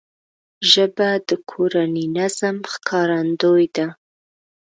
ژبه د کورني نظم ښکارندوی ده